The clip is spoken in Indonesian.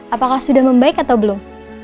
apakah sudah membaik atau belum